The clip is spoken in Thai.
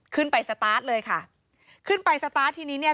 สตาร์ทเลยค่ะขึ้นไปสตาร์ททีนี้เนี่ย